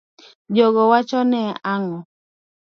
Jogo wachone nango ?